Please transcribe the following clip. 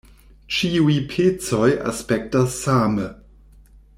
Ĉiuj pecoj aspektas same.